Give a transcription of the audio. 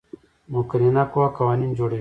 مقننه قوه قوانین جوړوي